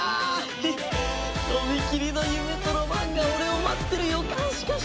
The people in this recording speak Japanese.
とびきりの夢とロマンが俺を待ってる予感しかしない！